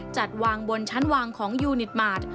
จัดวางบนชั้นวางของยูนิตมาร์ท